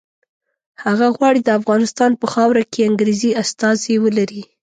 هغه غواړي د افغانستان په خاوره کې انګریزي استازي ولري.